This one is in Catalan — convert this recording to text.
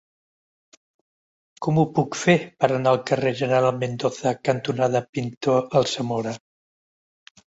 Com ho puc fer per anar al carrer General Mendoza cantonada Pintor Alsamora?